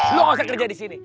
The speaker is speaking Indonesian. lu ngoset kerja di sini